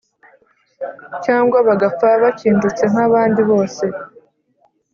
Cyangwa bagapfa bakindutsenkabandi bose